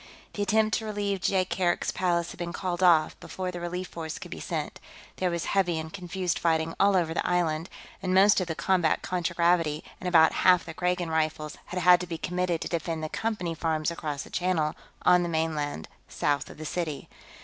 The attempt to relieve Jaikark's palace had been called off before the relief force could be sent; there was heavy and confused fighting all over the island, and most of the combat contragravity and about half the Kragan Rifles had had to be committed to defend the Company farms across the Channel, on the mainland, south of the city.